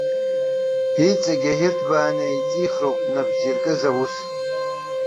Иҵегьыы ирҭбааны еиҵихроуп напы зиркыз аус.